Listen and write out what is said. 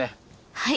はい。